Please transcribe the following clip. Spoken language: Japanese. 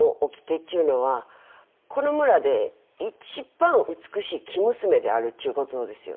っちゅうのはこの村で一番美しい生娘であるっちゅう事ですよね？